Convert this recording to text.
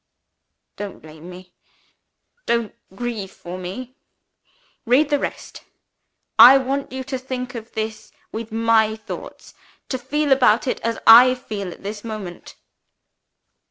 "Don't blame me; don't grieve for me. Read the rest. I want you to think of this with my thoughts to feel about it as I feel at this moment.